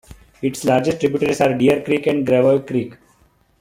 Its largest tributaries are Deer Creek and Gravois Creek.